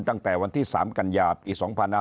ตั้งแต่วันที่๓กันยาปี๒๕๕๙